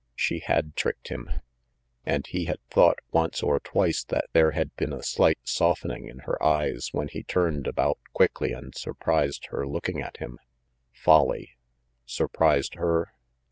She had tricked him. And he had thought, once or twice, that there had been a slight softening in her eyes when he turned about quickly and surprised her looking at him. Folly. Surprised her?